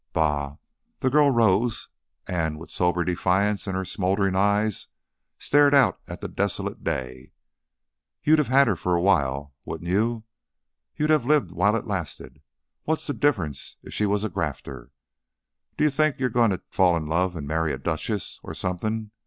"Bah!" The girl rose and, with somber defiance in her smoldering eyes, stared out at the desolate day. "You'd have had her for a while, wouldn't you? You'd have lived while it lasted. What's the difference if she was a grafter? D'you think you're going to fall in love and marry a duchess, or something?